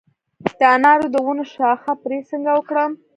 د انارو د ونو شاخه بري څنګه وکړم؟